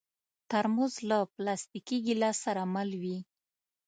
ترموز له پلاستيکي ګیلاس سره مل وي.